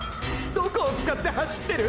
どこを使って走ってる？